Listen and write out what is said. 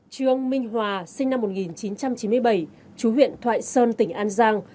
trương minh hòa sinh năm một nghìn chín trăm chín mươi bảy chú huyện thoại sơn tỉnh an giang